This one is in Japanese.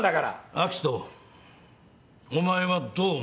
明人お前はどう思う？